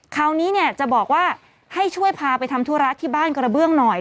คราวนี้เนี่ยจะบอกว่าให้ช่วยพาไปทำธุระที่บ้านกระเบื้องหน่อย